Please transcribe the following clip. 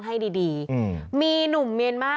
ให้ดีมีหนุ่มเมียนมาร์